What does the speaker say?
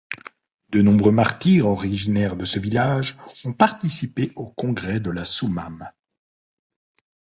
De nombreux martyrs originaire de ce village ont participé au Congrès de la Soummam.